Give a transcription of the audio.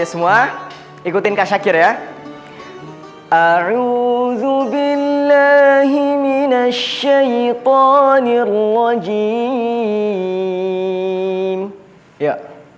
jadi semua ikutin kak syakir ya